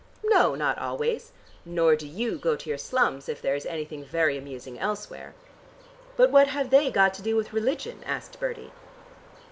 "No, not always, nor do you go to your slums if there is anything very amusing elsewhere." "But what have they got to do with religion?" asked Bertie.